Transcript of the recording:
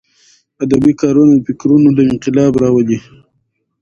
ادبي کارونه د فکرونو انقلاب راولي.